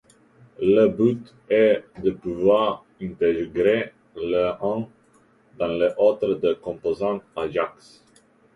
Le but est de pourvoir intégrer les uns dans les autres des composants Ajax.